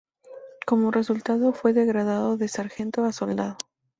Como resultado, fue degradado de sargento a soldado.